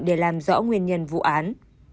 để làm rõ nguyên nhân vụ án